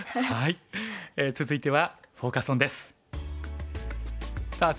はい。